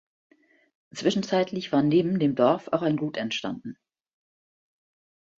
Zwischenzeitlich war neben dem Dorf auch ein Gut entstanden.